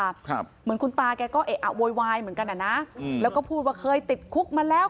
ครับเหมือนคุณตาแกก็เอะอะโวยวายเหมือนกันอ่ะนะอืมแล้วก็พูดว่าเคยติดคุกมาแล้ว